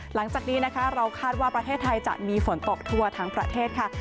หลังจากนี้นะคะเราคาดว่าประเทศไทยจะมีฝนตกทั่วทั้งประเทศค่ะ